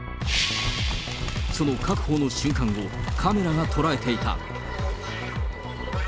その確保の瞬間をカメラが捉えていた。